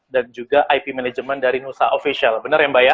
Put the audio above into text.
dan juga ip management dari nusa official benar ya mbak ya